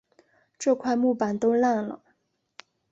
这块木板都烂了